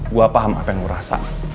gua paham apa yang lu rasa